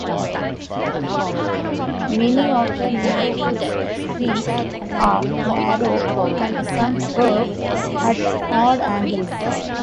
Many of the neighborhood's streets are narrow and some curve at odd angles.